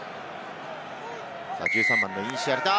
１３番のインシアルテ。